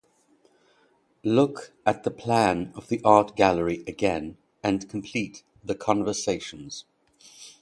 Look at the plan of the art gallery again and complete the conversations.